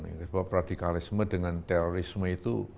karena radikalisme dengan terorisme itu